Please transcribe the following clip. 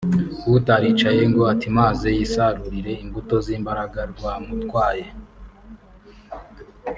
utaricaye ngo atimaze yisarurire imbuto z’imbaraga rwamutwaye